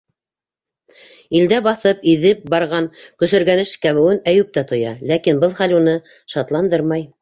Илдә баҫып, иҙеп барған көсөргәнеш кәмеүен Әйүп тә тоя, ләкин был хәл уны шатландырмай.